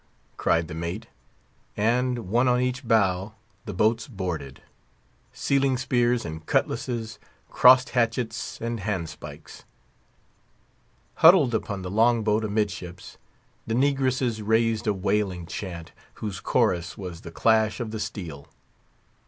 cried the mate; and, one on each bow, the boats boarded. Sealing spears and cutlasses crossed hatchets and hand spikes. Huddled upon the long boat amidships, the negresses raised a wailing chant, whose chorus was the clash of the steel.